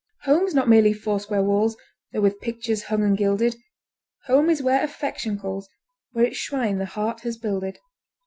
Home's not merely four square walls, Tho with pictures hung and gilded; Home is where affection calls Where its shrine the heart has builded.